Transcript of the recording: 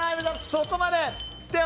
そこまで！